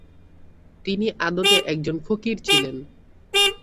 তিনি আদতে একজন ফকির ছিলেন।